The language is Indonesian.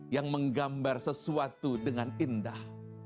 yang menggambar sesuatu dengan indah